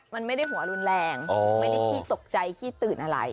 มันไม่ได้หัวรุนแรงไม่ได้ขี้ตกใจขี้ตื่นอะไร